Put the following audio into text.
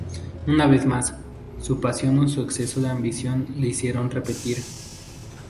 Una vez más, su pasión o su exceso de ambición le hicieron repetir.